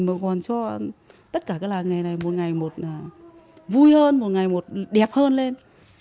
mà còn cho tất cả các làng nghề này một ngày vui hơn một ngày đẹp hơn lên